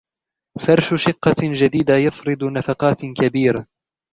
فرش شقة جديدة يفرض نفقات كبيرة.